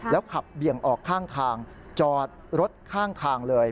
ขับเบี่ยงออกข้างทางจอดรถข้างทางเลย